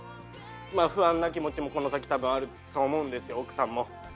まあ不安な気持ちもこの先多分あると思うんですよ奥さんも。